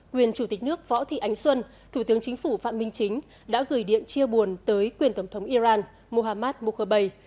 quyền chủ tịch nước võ thị ánh xuân thủ tướng chính phủ phạm minh chính đã gửi điện chia buồn tới quyền tổng thống iran mohammad mokhowei